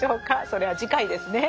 それは次回ですね。